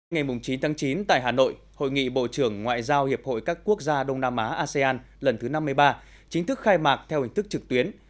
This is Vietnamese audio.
ngày chín tháng chín tại hà nội hội nghị bộ trưởng ngoại giao hiệp hội các quốc gia đông nam á asean lần thứ năm mươi ba chính thức khai mạc theo hình thức trực tuyến